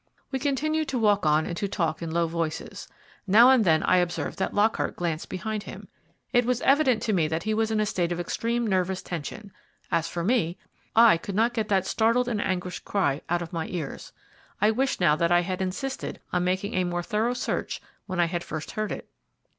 We continued to walk on and to talk in low voices. Now and then I observed that Lockhart glanced behind him. It was evident to me that he was in a state of extreme nervous tension. As for me, I could not get that startled and anguished cry out of my ears. I wished now that I had insisted on making a more thorough search when I had first heard it.